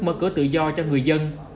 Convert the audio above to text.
mở cửa tự do cho người dân